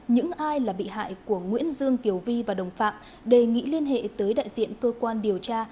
những ai là bị hại của nguyễn dương kiều vi và đồng phạm đề nghị liên hệ tới đại diện cơ quan điều tra